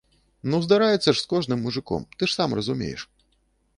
Ну, здараецца ж з кожным мужыком, ты ж сам разумееш.